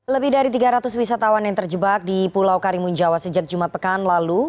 lebih dari tiga ratus wisatawan yang terjebak di pulau karimun jawa sejak jumat pekan lalu